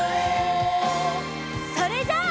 それじゃあ。